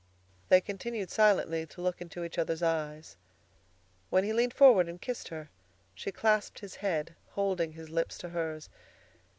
They continued silently to look into each other's eyes. When he leaned forward and kissed her, she clasped his head, holding his lips to hers.